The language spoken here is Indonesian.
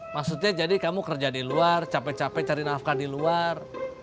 maksudnya jadi kamu kerja di luar capek capek cari nafkah di luar